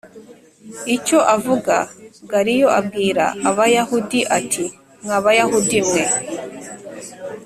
icyo avuga Galiyo abwira Abayahudi ati mwa Bayahudi mwe